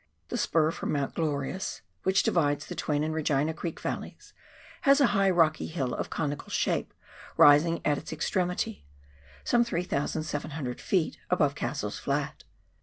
The spur from Mount Glorious, which divides the Twain and Eegina Creek valleys, has a high rocky hill of conical shape rising at its extremity, some 2,700 ft. above Cassell's Flat.